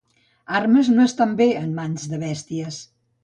Armes no estan bé en mans de bèsties.